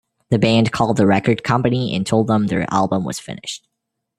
The band called the record company, and told them their album was finished.